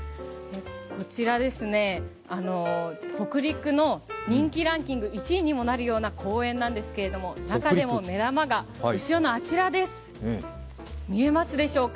こちら、北陸の人気ランキング１位にもなるような公園なんですが、中でも目玉が後ろのあちらです、見えますでしょうか